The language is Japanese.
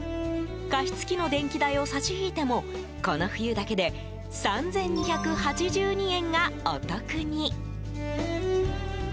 加湿器の電気代を差し引いてもこの冬だけで３２８２円がお得に！